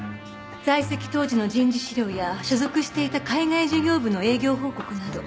在籍当時の人事資料や所属していた海外事業部の営業報告など。